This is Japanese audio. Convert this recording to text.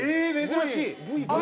珍しい。